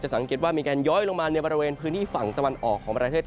สังเกตว่ามีการย้อยลงมาในบริเวณพื้นที่ฝั่งตะวันออกของประเทศ